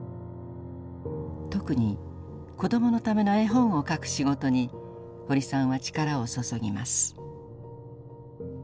特に子供ための絵本を描く仕事に堀さんは力を注ぎます。